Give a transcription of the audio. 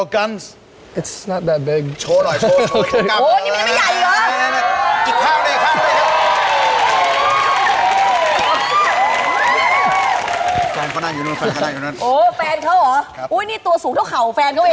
คุยกับจอนดีกว่า